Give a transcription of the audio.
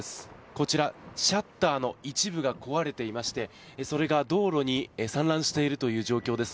こちら、シャッターの一部が壊れていましてそれが道路に散乱しているという状況です。